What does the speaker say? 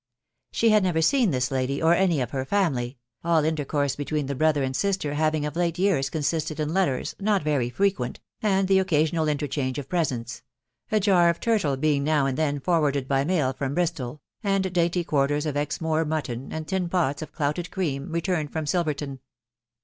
She had never seen this lady, or any of her family, all intercourse between the brother and sister having of late years consisted in letters, not very frequent, and the occasional interchange of presents, — ajar of turtle being now and then forwarded by mail from Bristol, and dainty quarters of Exmoor mutton, and tin pots of clouted cream, returned from Silverton.